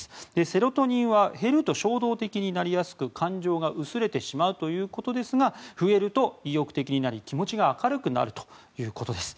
セロトニンは減ると衝動的になりやすく感情が薄れてしまうということですが増えると意欲的になり、気持ちが明るくなるということです。